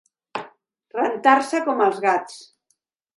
Rentar-se com els gats.